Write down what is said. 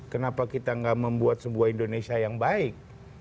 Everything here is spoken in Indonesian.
kenapa kita gak membuat sebuah indonesia yang baik